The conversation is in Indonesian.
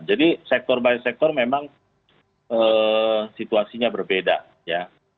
jadi sektor sektor memang situasinya berbeda ya